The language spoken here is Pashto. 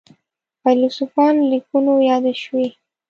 فیلسوفانو لیکنو یاده شوې.